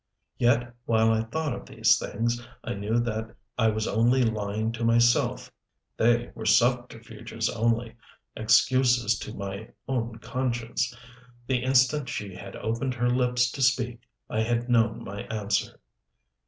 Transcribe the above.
Yet while I thought of these things, I knew that I was only lying to myself. They were subterfuges only, excuses to my own conscience. The instant she had opened her lips to speak I had known my answer.